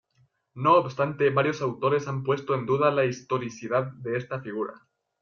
No obstante, varios autores han puesto en duda la historicidad de esta figura.